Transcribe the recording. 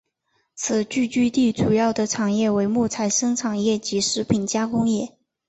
此聚居地主要的产业为木材生产业及食品加工业。